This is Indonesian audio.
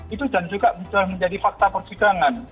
itu dan juga bisa menjadi fakta persidangan